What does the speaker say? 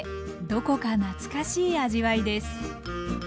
どこか懐かしい味わいです。